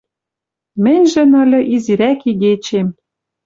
Мӹньжӹн ыльы изирӓк игечем...